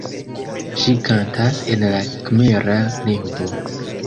Ŝi kantas en la kmera lingvo.